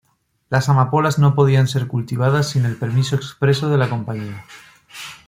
Las amapolas no podían ser cultivadas sin el permiso expreso de la "Compañía".